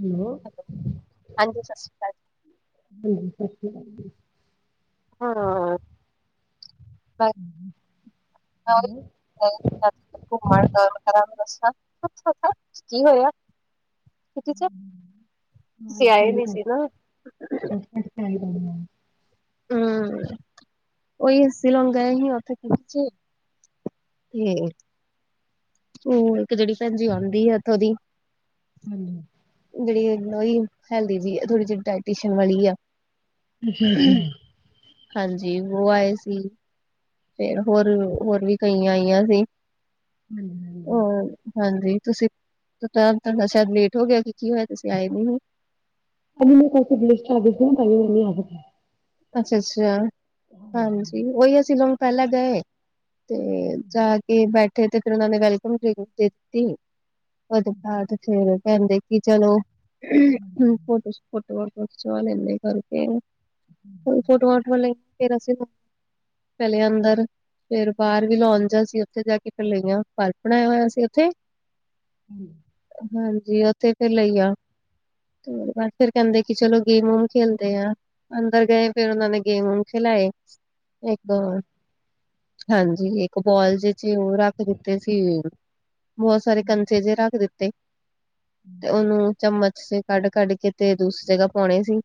ਦੂਰੋਂ। ਹੈਲੋ, ਹਾਂਜੀ, ਸਸ ਸ਼੍ਰੀ ਕਾਲ ਜੀ। ਹਾ। ਹਾਂ,। ਜੀ ਕੀ ਹੋਇਆ? ਕਿਟੀ ਚ ਤੁਸੀਂ ਆਏ ਨੀ ਸੀ ਨਾ ਕੇ। ਹਮ ਉਹੀ ਅਸ਼ਿ ਲੋਂਗ ਗਏ ਸੀ ਉੱਥੇ। ਹਮ। ਤੂ ਇੱਕ ਜਿਹੜੀ ਭੈਣ ਜੀ ਆਉਂਦੀ ਹੈ ਉੱਦੀ। ਹਮ। ਜਿਹੜੀ ਹੈਲਦੀ ਵੀ ਆ ਥੋੜੀ ਜਿਹੀ ਡਾਇਟਸ਼ਨ ਵਾਲੀ ਆ। ਅੱਛਾ ਅੱਛਾ। ਹਾਂਜੀ ਉਹ ਆਏ ਸੀ। ਫ ਹੋਰ ਹੋਰ ਵੀ ਕਈ ਆਈਆਂ ਸੀ। ਹਾਂਜੀ ਹੋ ਹਾਂਜੀ ਹਾਂਜੀ ਤੁਸੀਂ। ਤੁਹਾਡਾ ਸ਼ਾਇਦ ਲੇਟ ਹੋ ਗਿਆ ਕਿ ਕੀ ਹੋਇਆ ਤੁਸੀਂ ਆਏ ਨੀ ਹੁਣ। ਅ ਮੈਂਨੂੰ ਕਸੇ ਬਸ ਲਿਸਟ ਆਗੀ ਸੀ। ਅੱਛਾ ਅੱਛਾ ਹਾਂਜੀ ਉਹੀ ਅਸੀ ਲੋਗ ਪਹਿਲਾਂ ਗਏ। ਤੇ ਜਾ ਕੇ ਬੈਠੇ ਤੇ ਫਿਰ ਉਹਨਾਂ ਨੇ ਵੈਲਕਮ ਕੀਤੀ। ਉਹਦੇ ਬਾਅਦ ਫੇਰ ਕਹਿੰਦੇ ਕਿ ਚਲੋ ਫੋਟੋ। ਚਾੱਲ ਏਨੇ ਬਨਗੇ। ਫੋਟੋਆਂ ਫਟਆਂ ਲਈਆਂ ਫਿਰ ਅਸੀਂ ਪਹਿਲੇ ਅੰਦਰ। ਫੇਰ ਬਾਹਰ ਵੀ ਲਉਣ ਜਾ ਸੀ ਉੱਥੇ ਜਾ ਕੇ ਲਇਆਂ ਪਾਰਕ ਬਣਾਇਆ ਸੀ ਉਥੇ! ਹਮ। ਹਾਂਜੀ ਉੱਥੇ ਫੇਰ ਲਈਆਂ। ਤੇ ਉਹਦੇ ਬਾਅਦ ਫਿਰ ਕਹਿੰਦੇ ਕਿ ਚਲੋ ਗੇਮ ਵੂਮ ਖੇਲਦੇ ਆ ਅੰਦਰ ਗਏ। ਫਿਰਨਾਂ ਨੇ ਗੇਮ ਖੇਲਾਏ ਇੱਕ। ਹਾਂਜੀ ਇਕ ਬਾਲ ਜੇ। ਉਹ ਰੱਖ ਦਿੱਤੇ ਸੀ ਬਹੁਤ ਸਾਰੇ ਕੰਚੇ ਜਿ ਰੱਖ ਦਿੱਤੇ। ਤੇ ਉਹਨੂੰ ਚਮਚ ਕੱਢ, ਕੱਢ ਕੇ ਤੇ ਦੂਸਰੀ ਜਗ੍ਹਾ ਪਾਉਣੀ ਸੀ।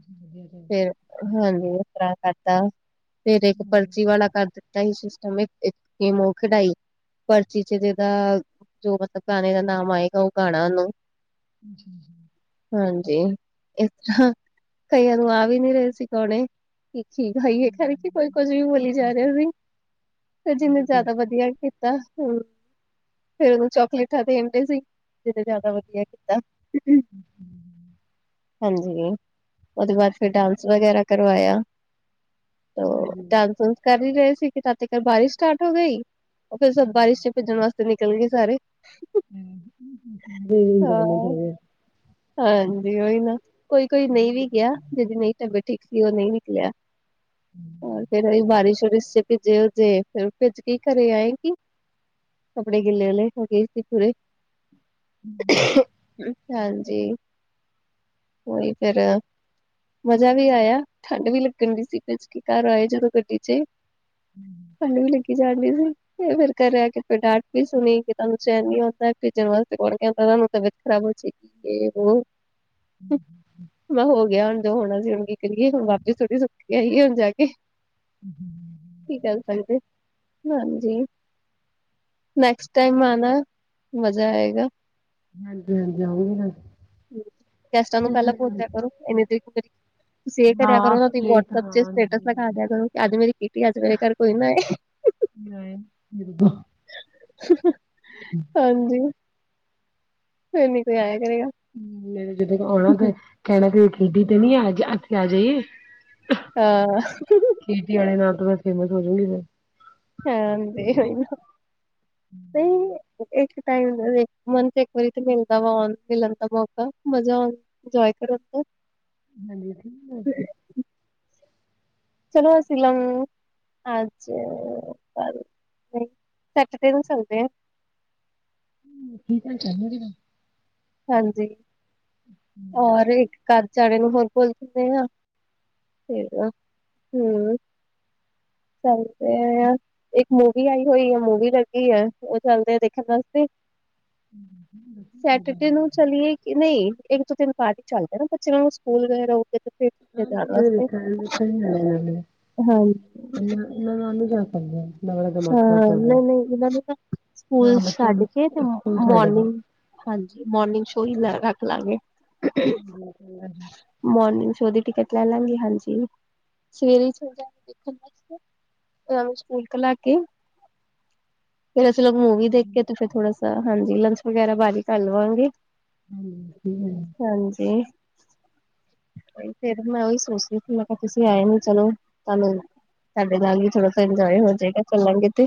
ਜੀ, ਜੀ, ਜੀ। ਫੇਰ ਹਾਂਜੀ ਇਸ ਤਰ੍ਹਾਂ ਕਰਦਾ ਫੇਰ ਇੱਕ ਪਰਚੀ ਵਾਲਾ ਕਰ ਦਿੱਤਾ। ਸਿਸਟਮ ਹੋ ਖਦਾਈ। ਪਰਚੀ ਚ ਜਿਹਦਾ ਜੋ ਮਤਲਬ ਗਾਣੇ ਦਾ ਨਾਮ ਆਏਗਾ ਉਹ ਗਾਣਾ ਉਹਨੂੰ ਜੀ, ਜੀ। ਹਾਂਜੀ ਇਸ ਤਰ੍ਹਾਂ ਕਈਆਂ ਨੂੰ ਆ ਵੀ ਨੀ ਰਹੇ ਸੀ ਪਾਉਣੇ। ਠੀਕ ਕ ਹਾਈਏ ਖਰ ਕੀ ਕੋਈ ਕੁੱਝ ਵੀ ਬੋਲੀ ਜਾ ਰਿਹਾ। ਤੇ ਜਿੰਨਾ ਜ਼ਿਆਦਾ ਵਧੀਆ ਕੀਤਾ ਹੈ। ਫਿਰ ਉਹਨੂੰ ਚਾਕਲੇਟਾਂ ਆਉਂਦੀਆਂ ਸਨ, ਜਿਸਨੇ ਜ਼ਿਆਦਾ ਵਧੀਆ ਕੀਤਾ। ਹਾਂ ਹਾਂ! ਹਾਂਜੀ, ਉਹਦੇ ਬਾਅਦ ਫਿਰ ਡਾਂਸ ਵਗੈਰਾ ਕਰਵਾਇਆ। ਡਾਂਸ ਕਰ ਹੀ ਰਹੇ ਸੀ, ਕਿ ਤਦ ਤਕ ਬਾਰਿਸ਼ ਸਟਾਰਟ ਹੋ ਗਈ। ਉਹ ਫਿਰ ਸਬ ਬਾਰਿਸ਼ ਵਿੱਚ ਭਿੱਜਣ ਵਾਸਤੇ ਨਿਕਲ ਗਏ ਸਾਰੇ। ਹਾਂ ਜੀ, ਸਵੇਰੇ। [inaudible] ਹਾਂ ਜੀ, ਉਹੀ ਨਾ, ਕੋਈ-ਕੋਈ ਨਹੀਂ ਵੀ ਗਿਆ। ਜਿਹਦੀ ਨਹੀਂ ਤਬਿਧਤ ਠੀਕ ਸੀ, ਉਹ ਨਹੀਂ ਨਿਕਲਿਆ। ਫਿਰ ਅਸੀ ਬਾਰਿਸ਼-ਵਾਰਿਸ਼ ਵਿੱਚ ਭਿੱਜੇ -ਭਿਜੇ, ਫਿਰ ਭਿੱਜ ਕੇ ਘਰ ਆਏਗੀ। ਕੱਪੜੇ ਗਿੱਲੇ ਵਿਲੇ ਹੋ ਗਏ ਸੀ ਪੂਰੇ। ਹਾਂਜੀ! ਹਾਂਜੀ, ਉਹੀ ਫਿਰ। ਮਜ਼ਾ ਵੀ ਆਇਆ, ਠੰਢ ਵੀ ਲੱਗੱਣ ਢਹੀ ਸੀ। ਫਿਰ ਘਰ ਆਏ ਜਦੋਂ ਗੱਡੀ ਚ। ਹੂਂ। ਠੰਢ ਵੀ ਲੱਗੀ ਜਾ ਰਹੀ ਸੀ। ਫਿਰ ਘਰ ਆ ਕੇ ਫਿਰ ਡਾਂਟ ਵੀ ਸੁਣੀ। ਤੁਹਾਨੂੰ ਚੈਨ ਨਹੀਂ ਆਉਂਦਾ। ਕਿਤੇ ਤੁਹਾਡੀ ਤਬੀਅਤ ਖਰਾਬ ਹੋ ਜਾਏਗੀ। ਇਹ ਉਹ, ਮੈਂ ਹੋ ਗਿਆ ਹੁਣ। ਜੋ ਹੋਣਾ ਸੀ, ਹੁਣ ਕੀ ਕਰੀਏ? ਹੁਣ ਵਾਪਸ ਥੋੜ੍ਹੀ ਸੁੱਟ ਕੇ ਆਈਏ, ਹੁਣ ਜਾ ਕੇ। ਜੇ [inaudible] ਕੀ ਕਰ ਸਕਦੇ ਹੋ ਹਾਂ ਜੀ? ਨੈਕਸਟ ਟਾਈਮ ਆਣਾ, ਮਜ਼ਾ ਆਏਗਾ। ਹਾਂਜੀ ਹਾਂਜੀ ਆਊਂਗੀ ਨਾ ਗੈਸਟਾਂ ਨੂੰ ਪਹਿਲਾਂ ਭੇਜ ਦਿਆ ਕਰੋ! ਇਹ ਦੇ। [inaudible] ਤੁਸੀਂ ਇਹ ਕਰਿਆ ਹਾਂ ਕਰੋ ਨਾ, ਤੁਸੀਂ ਲੇਟ ਵਟਸਐਪ ਤੇ, ਹਾਂ ਸਟੇਟਸ ਲਗਾ ਦਿਆ ਕਰੋ ਕਿ ਅੱਜ ਮੇਰੀ ਕਿਟੀ ਹੈ, ਅੱਜ ਮੇਰੇ ਘਰ ਕੋਈ ਨਾ ਆਵੇ। ਨਹੀਂ! [inaudible] ਹਾਂਜੀ! ਫਿਰ ਨਹੀਂ ਕੋਈ ਆਇਆ ਕਰੇਗਾ। ਮੈਂ ਜਦੋਂ ਆਉਣਾ ਤਾਂ ਕਹਿਣਾ ਕਿ ਕਿਟੀ ਤੇ ਨਹੀਂ ਆ ਜਾਇਆ ਜੇ। ਹਾਂ। ਖੇਤੀ ਵਾਲੇ ਨਾਲ ਤਾਂ ਮੈਂ ਫੇਮਸ ਹੋ ਜਾਵਾਂਗੀ ਫਿਰ। ਹਾਂ ਜੀ! ਹਾਂਜੀ! ਨਹੀਂ, ਇੱਕ ਮਹੀਨੇ ਵਿੱਚ ਇੱਕ ਵਾਰੀ ਹੀ ਮਿਲਦਾ ਹੈ ਮਿਲਣ ਦਾ ਮੌਕਾ, ਮਜ਼ਾ ਆਉਂਦਾ ਹੈ। [inaudible] ਜਾਇਆ ਕਰੋ। ਹਾਂਜੀ, ਠੀਕ ਹੈ। ਚਲੋ, ਅਸੀਂ ਅੱਜ ਸ਼ਨੀਵਾਰ ਨੂੰ ਐਤਵਾਰ। [inaudible] ਠੀਕ ਹੈ, ਕਰਨਾ ਹੈ? [inaudible] ਹਾਂਜੀ! ਹੋਰ ਇੱਕ ਘੰਟੇ ਲਈ ਜਾਣ ਨੂੰ ਹੋਰ ਬੋਲ ਜਾਂਦੇ ਆ। [inaudible] ਤਾਂ ਅਸੀ, [inaudible] ਇੱਕ ਮੂਵੀ ਆਈ ਹੋਈ ਹੈ, ਮੂਵੀ ਲੱਗੀ ਹੈ। ਉਹ ਚੱਲਨੇ ਆਂ ਦੇਖਣ ਦਸ ਦੀਂ। ਨੂੰ ਹਾਂਜੀ! ਚਲੀਏ ਨਹੀਂ, ਇੱਕ-ਦੋ-ਦਿਨ ਬਾਦ ਚੱਲਨੇ ਆਂ, ਬੱਚਿਆਂ ਨੂੰ ਸਕੂਲ ਵਗੈਰਾ ਹੋ ਕੇ। ਹਾਂ ਜੀ, ਮੈਂ ਵੀ ਵੇਖਣਾ। ਹਾਂਜੀ [inaudible] ਨਾ ਨਹੀਂ, ਜਾ ਸਕਦੇ। ਇੰਨਾ ਬੜਾ ਦਿਮਾਗ ਹਾਂ, ਖ਼ਰਾਬ ਕਰਦੇ ਨਹੀਂ ਨਹੀਂ, ਇਹਨਾਂ ਨੂੰ ਤਾਂ ਸਕੂਲ ਹਾਂ ਬੱਚਿਆਂ ਛੱਡ ਨੂੰ ਕੇ ਸਕੂਲ ਛੱਡ ਦੋ ਮੋਰਨਿੰਗ ਵਿੱਚ ਹਾਂਜੀ ਮੋਰਨਿੰਗ ਸ਼ੋਅ ਹੀ ਲ ਰੱਖ ਲਾਂਗੇ। ਹਾਂਜੀ ਮੋਰਨਿੰਗ ਸ਼ੋਅ ਦੀ ਟਿਕਟ ਲੈ ਲਵਾਂਗੇ ਹਾਂਜੀ ਸਵੇਰੇ ਜਾ ਕੇ [unintelligible] [unintelligible] ਸਕੂਲ ਕ ਲਾਕੇ, ਫੇਰ ਅਸੀ ਲੋਕ ਮੂਵੀ ਦੇਖ ਕੇ ਤੇ ਫੇਰ ਥੋੜਾ ਹਾਂਜੀ ਲੰਚ ਵਗੈਰਾ ਬਾਰ ਈ ਕਰ ਲਵਾਂਗੇ [inaudible] ਹਾਂਜੀ। ਫੇਰ ਮੈਂ ਓਈ ਸੋਚਦੀ ਸੀ ਮੈਂ ਕਾ ਤੁਸੀਂ ਆਏ ਨੀ ਚਲੋ ਤਾਨੂੰ ਸਾਡੇ ਨਾਲ ਵੀ ਥੋੜਾ ਸਾ ਇੰਨਜੋਏ ਹੋਜੇਗਾ ਚੱਲਾਂਗੇ ਤੇ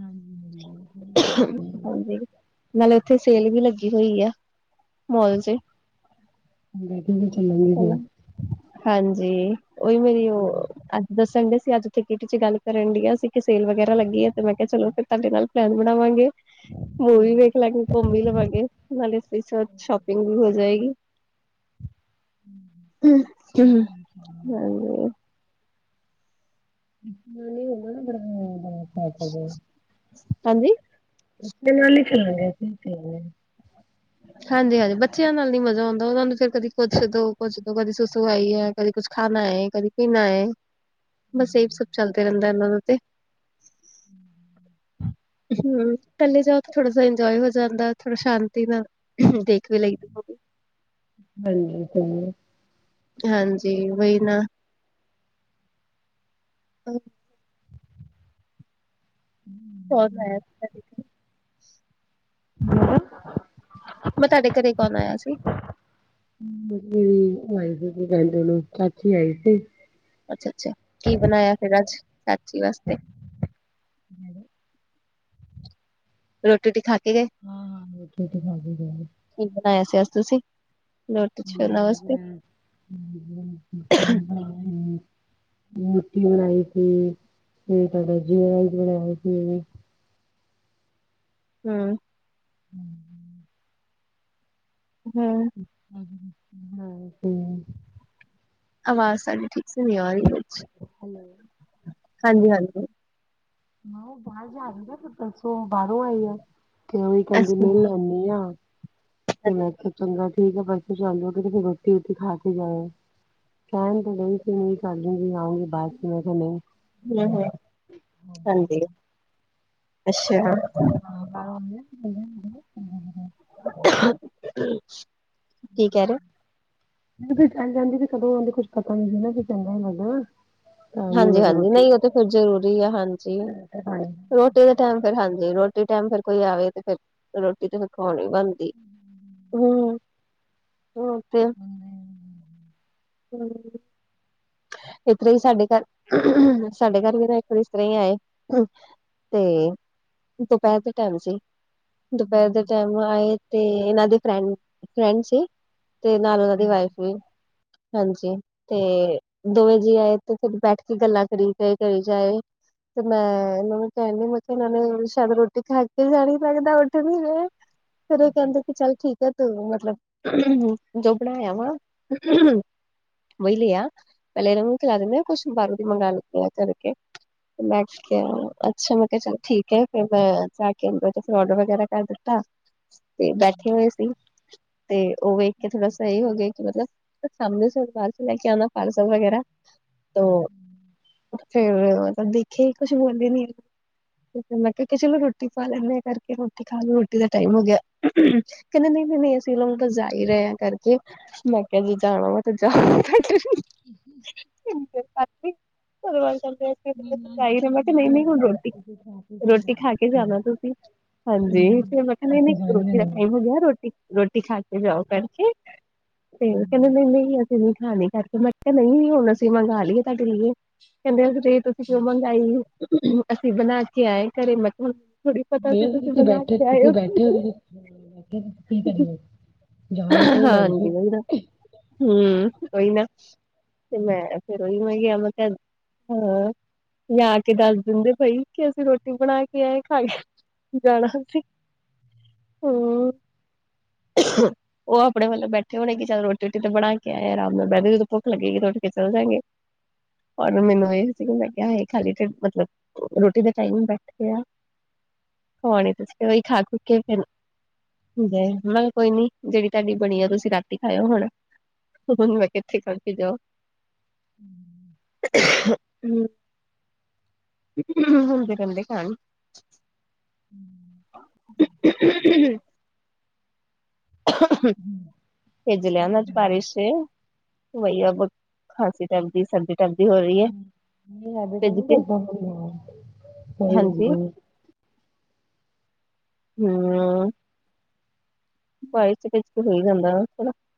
ਹਾਂਜੀ ਹਾਂ ਸਈ ਗਲ ਹੈਗੀ ਹਾਂਜੀ ਨਾਲੇ ਓਥੇ ਸੇਲ ਵੀ ਲੱਗੀ ਹੋਈ ਆ ਮੋਲ ਚ ਚਲੋ ਚੱਲਾਂਗੇ ਹਾਂਜੀ ਓਈ ਮੇਰੀ ਓ ਦੱਸਨ ਡੇ ਸੀ ਅੱਜ ਓਥੇ ਕਿਟੀ ਚ ਗਲ ਕਰਨ ਡੀਆਂ ਸੀ ਕੀ ਸੇਲ ਵਗੈਰਾ ਲੱਗੀ ਐ ਤੇ ਮੈਂ ਕਿਆ ਚਲੋ ਫੇਰ ਤਾਡੇ ਨਾਲ ਪਲੈਨ ਬਣਾਵਾਂਗੇ ਮੂੱਵੀ ਵੇਖ ਲਾਂਗੇ ਕੁਮ ਵੀ ਲਵਾਂਗੇ ਨਾਲੇ ਸ ਸ਼ੋਪਿੰਗ ਵੀ ਹੋ ਜਾਏਗੀ [unintelligible] [unintelligible] ਹਾਂਜੀ? ਪੈਲਾ ਲਿਖ [unintelligible] ਹਾਂਜੀ-ਹਾਂਜੀ ਬੱਚਿਆਂ ਨਾਲ ਨੀ ਮਜ਼ਾ ਆਂਦਾ ਉਨਾਂ ਨੂੰ ਫਿਰ ਕਦੀ ਕੁੱਛ ਦੋ ਕੁੱਛ ਦੋ ਕਦੀ ਸੁ ਸੂ ਆਈ ਐ, ਕਦੀ ਕੁਛ ਖਾਨਾ ਐ, ਕਦੀ ਪੀਨਾ ਏ। ਬਸ ਐ ਵੀ ਸਭ ਚੱਲਦਾ ਰੈਂਦਾ ਐਨਾਂ ਦਾ ਤੇ [inaudible] ਹੂੰ ਕੱਲੇ ਜਾਓ ਤੇ ਥੋੜਾ ਸਾ ਇੰਜੋਏ ਹੋ ਜਾਂਦਾ ਥੋੜਾ ਸ਼ਾਂਤੀ ਨਾ ਦੇਖ ਵੀ ਲੱਇਦਾ ਹਾਂਜੀ ਹੂੰ ਹਾਂਜੀ, ਵਈ ਨਾ [inaudible] [inaudible] [inaudible] [inaudible] ਮੈਂ ਤਾਡੇ ਘਰੇ ਕੌਨ ਆਇਆ ਸੀ? [unintelligible] ਚਾਚੀ ਆਈ ਸੀ। ਅੱਛਾ-ਅੱਛਾ ਕੀ ਬਣਾਏਆ ਫੇਰ ਅੱਜ ਚਾਚੀ ਵਾਸਤੇ? [inaudible] ਰੋਟੀ ਰੁਟੀ ਖਾ ਕੇ ਗਏ? ਹਾਂ-ਹਾਂ ਰੋਟੀ-ਰੁਟੀ ਖਾਕੇ ਗਏ ਨੇ। ਕੀ ਬਣਾਏਆ ਸੀ ਅੱਜ ਤੁਸੀਂ? ਰੋਟੀ [unintelligible] ਚ ਉਹਨਾਂ ਵਾਸਤੇ ਰੋਟੀ ਬਨਾਈ ਸੀ ਤੇ ਫੇਰ ਤਾਡਾ ਜੀਰਾ ਬਨਾਯਾ ਸੀ ਹਾਂ। ਹੂੰ-ਹੂੰ [unintelligible] [inaudible] ਆਵਾਜ਼ ਸਾਡੀ ਠੀਕ ਸੀ‌ ਨੀ ਆਰੀ ਵਿਚ ਹੈਲੋ ਹਾਂਜੀ-ਹਾਂਜੀ ਨਾ ਓ ਬਾਰ ਜਾਰੀ ਨਾ ਫਿਰ ਪਰਸੋਂ ਬਾਰੋ ਆਈ ਆ ਤੇ ਓ ਕੈਂਦੀ ਅੱਛਾ [unintelligible] ਤੇ ਹਾਂਜੀ, ਮੈਂ ਕਯਾ ਚੰਗਾ ਠੀਕ ਆ, ਪਰ ਤੇ ਫੇਰ ਰੋਟੀ ਰੂਟੀ ਖਾ ਕੇ ਜਾਯੋ। ਕੈਨ ਤੇ ਡਈ ਸੀ [unintelligible] ਆਊੰਗੀ ਬਾਦ ਚ ਮੈਂ ਕਯਾ ਨਈ ਹੁੰ-ਹੁੰ, ਹਾਂਜੀ, ਅੱਛਾ। [unintelligible] ਕੀ ਕੈ ਰੇ ਓ? ਜਦੋ ਚੱਲ ਜਾਂਦੇ ਨੇ ਕਦੋਂ ਆਦੇ ਕੁੱਛ ਪਤਾ ਨੀ ਨਾ ਫੇਰ ਚੰਗਾ ਨੀ ਲਗਦਾ ਹਾਂਜੀ-ਹਾਂਜੀ ਨਈ ਓ ਤੇ ਫੇਰ ਜਰੂਰੀ ਏ ਹਾਂਜੀ ਖਾ ਰੋਟੀ ਦਾ ਟੈਮ ਫੇਰ ਹਾਂਜੀ ਰੋਟੀ ਟੈਮ ਫੇਰ ਕੋਈ ਆਵੇ ਤੇ ਫੇਰਰਰੋਟੀ ਤੇ ਫੇਰ ਖੁਵੋਣੀ ਬਣਦੀ, ਹੂੰ, ਹੂੰ ਤੇ ਹੂੰ ਏਤਰਾ ਈ ਸਾਡੇ ਘਰ ਸਾਡੇ ਘਰ ਵੀ ਤਾਂ ਇੱਕ ਏਸ ਤਾ ਈ ਆਏ ਤੇ, ਦੁਪੈਰ ਦੇ ਟੈਮ ਸੀ ਦੁਪੈਰ ਦੇ ਟੈਮ ਆਏ ਤੇ ਏਨਾਂ ਦੇ ਫ੍ਰੈ ਫਰੈਂਡ ਸੀ ਤੇ ਨਾਲ ਓਨਾਂ ਦੀ ਲੈਂਦੀ ਵਾਈਫ ਵੀ, ਹਾਂਜੀ, ਤੇ ਦੋਵੇਂ ਜੀ ਆਏ ਤੇ ਫੇਰ ਬੈਠ ਕੇ ਗੱਲਾਂ ਕਰੀ ਗਏ ਕਰੀ ਜਾਏ ਤੇ ਮੈਂ ਏਨਾਂ ਨੂੰ ਕੈਣੀ ਮੈਂ ਕੇਆ ਏਨਾਂ ਨੂੰ ਛੈਦ ਰੋਟੀ ਖਾ ਕੇ ਜਾਣੀ ਲੱਗਦਾ ਉੱਠ ਨੀ ਰਏ ਫੇਰ ਓ ਕੈਂਦੇ ਕੀ ਚੱਲ ਠੀਕ ਤੂੰ ਮਤਲਬ ਜੋ ਬਣਾ ਏਆ ਆ ਵਈ ਲੇ ਆ ਪੈਲੇ ਏਨਾ ਨੂੰ ਖਲਾ ਦੇਨੇ ਆ ਕੁਛ ਬਾਰੋਂ ਦੀ ਮੰਗ ਲੈਨੇਆ ਕਰਕੇ ਮੈਂ ਅੱਛਾ ਮੈਂ ਚਲ ਠੀਕ ਐ ਫੇਰ ਮੈਂ ਜਾ ਕੇ ਅੰਦਰ ਫਰੋਡ ਵਗੈਰਾ ਕਟ ਦਤਾ ਤੇ ਬੈਠੇ ਹੋਏ ਸੀ, ਤੇ ਓ ਵੇਖ ਕੇ ਥੋੜਾ ਸਈ ਹੋ ਗੇ ਕੇ ਮਤਲਬ ਸਮਣੇ ਸਰ ਪਾਰਸਲ ਲੈ ਕੇ ਆਣਾ ਪਾਰਸਲ ਵਗੈਰਾ ਤੌ, ਫੇਰ ਮਤਲਬ ਦੇਖੇ ਕੁਛ ਬੋਲੇ ਨੀ ਮੈਂ ਕੇਆ ਚਲੋ ਰੋਟੀ ਖਾ ਲੈਂਨੇ ਕਰਕੇ ਰੋਟੀ ਖਾਲੋ ਰੋਟੀ ਦਾ ਟੈਮ ਹੋ ਗੇਆ ਕੈਂਦੇ ਨਈ-ਨਈ ਅਸੀਂ ਲੋਕ ਤਾਂ ਜਾ ਈ ਰਏ ਆਂ ਕਰਕੇ ਮੈਂ ਕੇਆ ਜੇ ਜਾਣਾ ਵਾ ਤੇ ਜਾ [inaudible] [unintelligible] [unintelligible] ਮੈ ਕੈਆ ਨਈ-ਨਈ ਹੁਣ ਰੋਟੀ, ਰੋਟੀ ਖਾ ਕੇ ਜਾਣਾ ਤੁਸੀਂ ਹਾਂਜੀ ਹਾਂ ਫੇਰ ਮੈਂ ਕੇਆ ਅਸੀਂ ਨੲ਼ਈ-ਨਈ ਜਾਣ ਰੋਟੀ ਦਾ ਲੈਣਾ ਟੈਮ ਹੋ ਗੇਆ ਰੋਟੀ ਰੋ ਰੋਟੀ ਖਾ ਕੇ ਜਾਓ ਭੈਣ ਕੇ ਤੇ ਕੈਂਦੇ ਨਈ-ਨਈ ਅਸੀਂ ਨੀ ਖਾਣੀ ਕਾਕੇ ਮੈਂ ਮੈ ਕੇਆ ਨਈ ਹੁਣ ਅਸੀਂ ਮੰਗਵਾ ਲੀਏ ਤੁਆਡੇ ਲੀਏ ਕੈਂਦੇੇ ਤੁਸੀਂ ਕਿਉਂ ਮੰਗਵਾਈ ਏ ਅਸੀਂ ਬਣਾ ਕੇ ਆਏ ਘਰੇ ਮਲਬ ਥੋੜੀ ਪਤਾ ਸੀ ਇਹ ਤਾਂ ਤੁਸੀਂ ਬਣਾ ਬੈਠੇ ਕੇ ਆਏ ਓ। ਤੁਸੀਂ ਬੈਠੇ ਹੋ ਤੁਸੀਂ ਬੈਠੇ ਹੋ, ਤੁਸੀਂ ਕੀ ਕਰੀਏ ਜਾਈਏ ਤਾਂ ਡਰ ਜੀ ਹਾਂਜੀ ਓਈ ਨਾ ਹੂੰ ਕੋਈ ਨਾ। ਤੇ ਮੈਂ ਫੇਰ ਓਈ ਮੈਂ ਕੇਆ ਮੈਂ ਆ ਜਾ ਆ ਕੇ ਦੱਸ ਦੀਂਦੇ ਬਾਈ ਕੇ ਅਸੀਂ ਰੋਟੀ ਬਣਾ ਕੇ ਆ ਖਾਏ ਜਾਣਾ ਸੀ, ਹੂੰ ਓ ਅਪਣੇ ਵਲੋਂ ਬੈਠੇ ਹੋਣੇ ਕੀ ਚਲ ਰੋਟੀ-ਰੁਟੀ ਤੇ ਬਣਾ ਕੇ ਆਏ ਰਾਮ ਨਾਲ ਬੈ ਭੁੱਖ ਲੱਗੇਗੀ ਤੋ ਓਠ ਕੇ ਚੱਲ ਜਾਗੇ, ਔਰ ਮੈਨੂੰ ਏ ਸੀ ਮੈ ਕੇਆ ਹਏ ਖਾਲੀ ਢੇ ਮਤਲਬ ਰੋਟੀ ਦੇ ਟੈਮ ਬੈਠੇ ਆ [unintelligible] ਕੋਈ ਨੀ ਜੇੜੀ ਤਾਡੀ ਬਣੀ ਆ ਤੁਸੀਂ ਰਾਤੀ ਖਾਓ ਹੁਣ, ਹੁਣ ਮੈਂ ਕਿੱਥੇ ਖ ਦੋ, ਹੂੰ ਹੁੰਦੇ ਰਦੇ ਖਣ [inaudible] [unintelligible] ਪੀਜ਼ ਲਿਆਂ [unintelligible] ਬਾਰਸ਼ 'ਚ। ਵਈਆ ਬਹੁ ਖਾਂਸੀ ਟਪਦੀ, ਸਰਦੀ ਟਪਦੀ ਹੋ ਰਈ ਏ। [unintelligible] ਹਅਅ। [unintelligible] ਹੈਨਾ।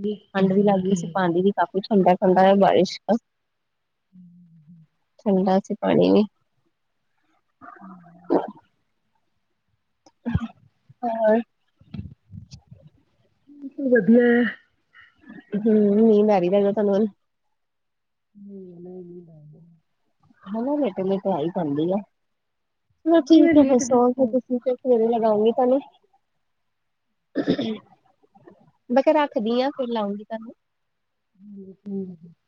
ਨਹੀਂ ਠੰਡ ਵੀ ਲੱਗਦੀ ਸੀ, ਪਾਣੀ ਵੀ ਕਾਫੀ ਠੰਡਾ-ਠੰਡਾ ਏ ਬਾਰਿਸ਼ ਦਾ। [inaudible] ਠੰਡਾ ਸੀ ਪਾਣੀ ਵੀ। ਹਮ। [unintelligible] ਵਧੀਆ। ਹੂੰ ਨੀਂਦ ਆ ਰੀ ਲਗਦਾ ਤਾਨੂੰ ਅੱਜ। ਹੂੰ ਨਈ ਨੀਂਦ ਆ ਰਈ। [unintelligible] [unintelligible] ਚਲੋ ਮੈਂ ਠੀਕ ਹੈ ਫੇਰ ਲੇਟ ਸੌਔ ਦੱਸੂ ਤੁਸੀਂ ਫੇਰ। ਫੇਰੇ ਲਗਾਉਂਗੀ ਤਾਨੂੰ। ਮੈਂ ਕਿਆ ਰੱਖਦੀ ਆਂ ਫਿਰ ਲਾਉਂਗੀ ਤਾਨੂੰ। [unintelligible]